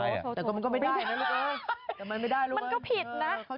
เข้าใจว่ามันผิดลูกไอ้สัตว์ถือว่าข้ามฮอมรูก็ต้องเข้า